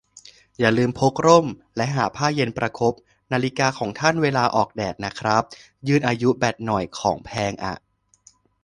อย่าลืมพกร่มและหาผ้าเย็นประคบนาฬิกาของท่านเวลาออกแดดนะครับ ยืดอายุแบตหน่อย ของแพงอ่ะ